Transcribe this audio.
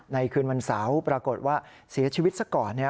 คืนวันเสาร์ปรากฏว่าเสียชีวิตซะก่อน